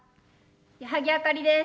矢作あかりです。